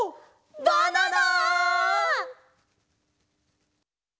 バナナ！